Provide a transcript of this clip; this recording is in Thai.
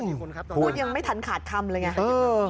พูดยังไม่ทันขาดคำเลยไง